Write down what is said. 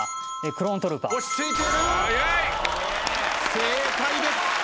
正解です。